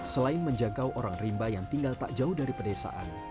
selain menjangkau orang rimba yang tinggal tak jauh dari pedesaan